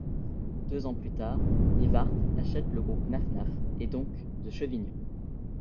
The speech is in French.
Deux ans plus tard, Vivarte achète le groupe Naf Naf et donc de Chevignon.